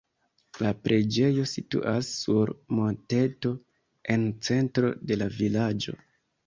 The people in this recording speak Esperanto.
La preĝejo situas sur monteto en centro de la vilaĝo.